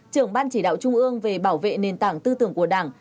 trưởng ban chỉ đạo trung ương về bảo vệ nền tảng tư tưởng của đảng